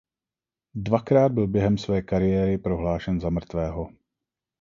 Dvakrát byl během své kariéry prohlášen za mrtvého.